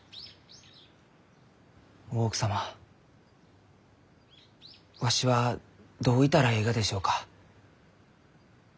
大奥様わしはどういたらえいがでしょうか？